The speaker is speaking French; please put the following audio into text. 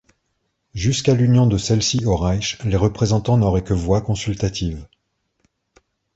Jusqu'à l'union de celle-ci au Reich, les représentants n'auraient que voix consultative.